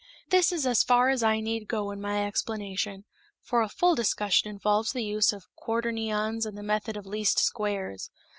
This is as far as I need to go in my explanation, for a full discussion involves the use of quaternions and the method of least squares.